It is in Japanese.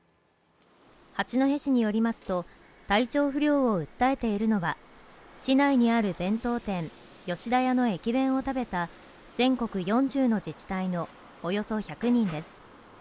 八戸市によりますと体調不良を訴えているのは市内にある弁当店吉田屋の駅弁を食べた全国４０の自治体のおよそ１００人です